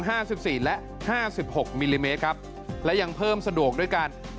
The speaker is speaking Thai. ห้าสิบสี่และห้าสิบหกมิลลิเมตรครับและยังเพิ่มสะดวกด้วยกัน